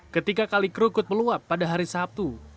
ketika kalik krukut meluap pada hari sabtu